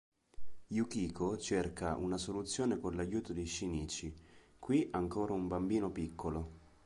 Yukiko cerca una soluzione con l'aiuto di Shinichi, qui ancora un bambino piccolo.